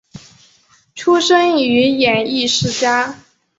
出身于演艺世家。